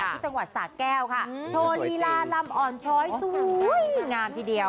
ที่จังหวัดสาแก้วค่ะโชว์ลีลาลำอ่อนช้อยสวยงามทีเดียว